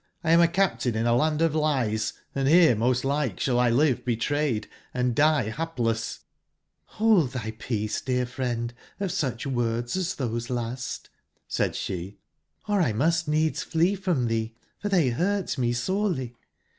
1 am a captive in a land of lies, & bere most like sballl live betrayedand die bapless/' ''Hold tby peace, dear friend, of sucbwordsastbose last,'' said sbe, '*or 1 must needs flee from tbee, for tbey burt me sorely.